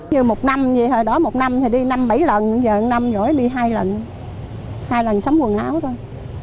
vừa một năm hồi đó một năm thì đi năm bảy lần giờ một năm rồi đi hai lần hai lần sắm quần áo thôi